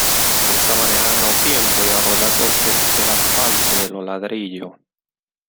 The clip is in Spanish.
De esa manera ganó tiempo y ahorró las dos terceras partes de los ladrillos.